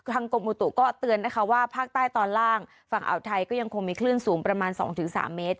กรมอุตุก็เตือนนะคะว่าภาคใต้ตอนล่างฝั่งอ่าวไทยก็ยังคงมีคลื่นสูงประมาณ๒๓เมตร